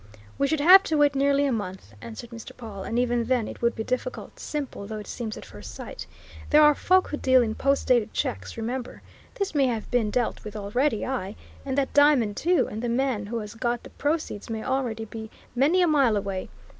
"We should have to wait nearly a month," answered Mr. Pawle. "And even then it would be difficult simple though it seems at first sight. There are folk who deal in post dated checks, remember! This may have been dealt with already aye, and that diamond too; and the man who has got the proceeds may already be many a mile away.